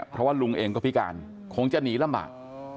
เพราะว่าลุงเองก็พิการคงจะหนีลำบาก